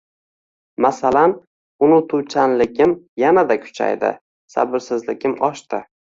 Masalan, unutuvchanligim yanada kuchaydi, sabrsizligim oshdi.